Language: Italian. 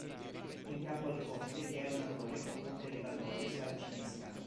In capo al ponte vi era una torre con ponte levatoio e saracinesca.